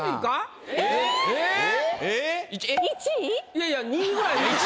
いやいや２位ぐらい。